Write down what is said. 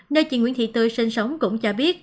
nơi chị nguyễn thị tươi sinh sống cũng cho biết